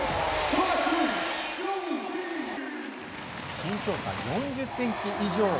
身長差４０ｃｍ以上。